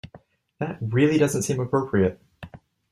That really doesn't seem appropriate.